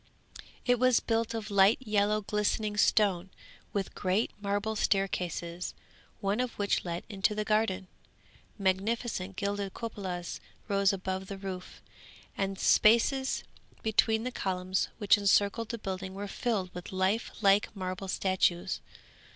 It was built of light yellow glistening stone, with great marble staircases, one of which led into the garden. Magnificent gilded cupolas rose above the roof, and the spaces between the columns which encircled the building were filled with life like marble statues.